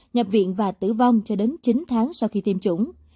nhập viện và tử vong cho đến chín tháng sau khi tiêm chủng